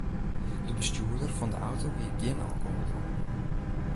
De bestjoerder fan de auto hie gjin alkohol dronken.